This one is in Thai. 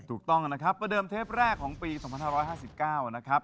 ถูกต้องนะครับประเดิมเทปแรกของปี๒๕๕๙นะครับ